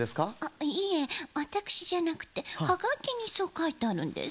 いえわたくしじゃなくてハガキにそうかいてあるんです。